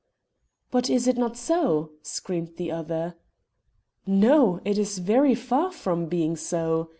"But is it not so?" screamed the other. "No; it is very far from being so.